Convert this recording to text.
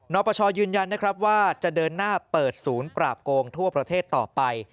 ปปชยืนยันนะครับว่าจะเดินหน้าเปิดศูนย์ปราบโกงทั่วประเทศต่อไป